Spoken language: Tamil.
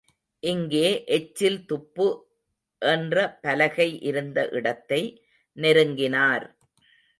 இங்கே எச்சில் துப்பு என்ற பலகை இருந்த இடத்தை நெருங்கினார்.